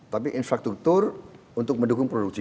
tapi infrastruktur untuk mendukung produksi